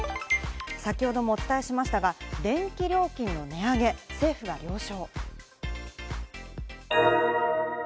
先ほどもお伝えしましたが、電気料金の値上げ、政府が了承。